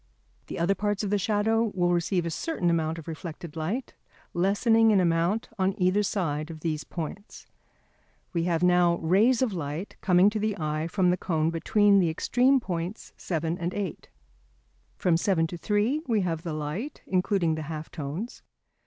The other parts of the shadow will receive a certain amount of reflected light, lessening in amount on either side of these points. We have now rays of light coming to the eye from the cone between the extreme points 7 and 8. From 7 to 3 we have the light, including the half tones.